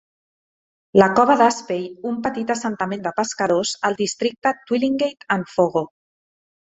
La cova d"Aspey, un petit assentament de pescadors al districte Twillingate and Fogo.